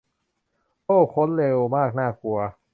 โอ้ ค้นเร็วมาก น่ากลัว